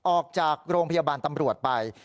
ออกจากโรงพยาบาลตำรวจไป